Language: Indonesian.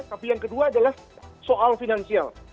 tapi yang kedua adalah soal finansial